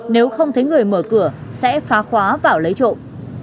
nếu không thấy người mở cửa sẽ phá khóa vào lấy trộm